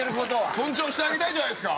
尊重してあげたいじゃないですか。